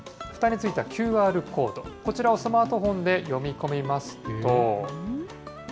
ふたについたＱＲコード、こちらをスマートフォンで読み込みますと。